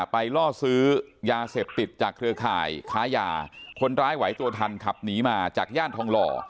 ล่อซื้อยาเสพติดจากเครือข่ายค้ายาคนร้ายไหวตัวทันขับหนีมาจากย่านทองหล่อ